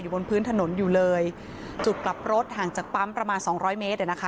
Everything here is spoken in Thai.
บนพื้นถนนอยู่เลยจุดกลับรถห่างจากปั๊มประมาณสองร้อยเมตรอ่ะนะคะ